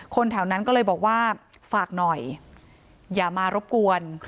แถวนั้นก็เลยบอกว่าฝากหน่อยอย่ามารบกวน